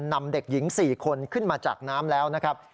นำเด็กหญิง๔คนขึ้นมาจากน้ำแล้วนะครับ